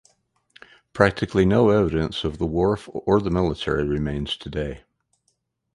Practically no evidence of the wharf or the military remains today.